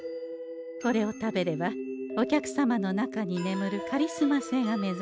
これを食べればお客様の中にねむるカリスマ性が目覚め